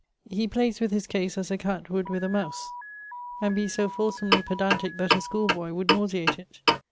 He playes with his case as a cat would with a mouse, and be so fulsomely pedantique that a school boy would nauseate it.